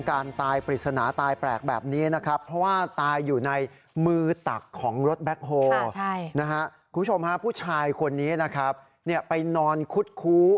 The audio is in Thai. ค่ะใช่นะคะคุณค่ะผู้ชายคนนี้นะครับเนี่ยไปนอนคุดคู้